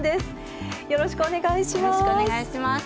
よろしくお願いします。